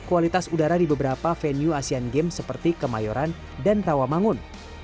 kualitas udara di beberapa venue asian games seperti kemayoran dan rawamangun